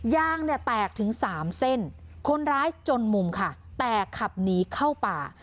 ยางเนี่ยแตกถึงสามเส้นคนร้ายจนมุมค่ะแต่ขับหนีเข้าป่า